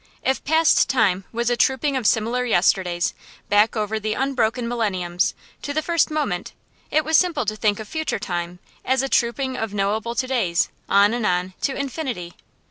If past time was a trooping of similar yesterdays, back over the unbroken millenniums, to the first moment, it was simple to think of future time as a trooping of knowable to days, on and on, to infinity.